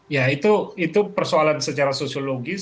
ya itu persoalan secara sosiologis